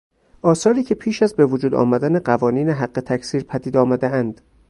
آثاری که پیش از بهوجود آمدن قوانین حق تکثیر پدید آمدهاند.